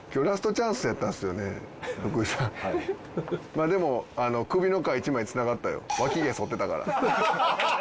まあでもあの首の皮一枚つながったよ。